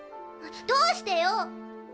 どうしてよ？